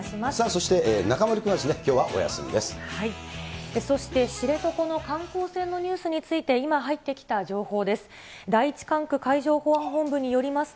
そして、知床の観光船のニュースについて、今入ってきた情報です。